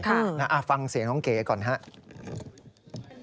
ฟังเสียงน้องเก๋ก่อนครับ